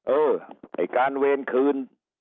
เออในการเวรคืน